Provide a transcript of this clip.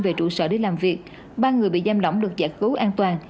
về trụ sở để làm việc ba người bị giam lỏng được giải cứu an toàn